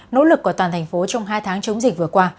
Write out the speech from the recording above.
nỗ lực của toàn thành phố trong hai tháng chống dịch vừa qua